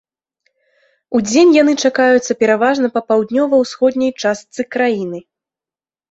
Удзень яны чакаюцца пераважна па паўднёва-ўсходняй частцы краіны.